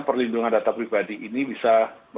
perlindungan data pribadi ini bisa